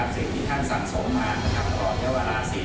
สิ่งที่ท่านสั่งสมมาต่อเวลา๔๐ปี